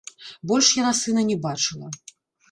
Больш яна сына не бачыла.